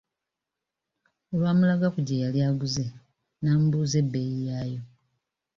Olwamulaga ku gye yali aguze, n'amubuuza ebbeeyi yaayo.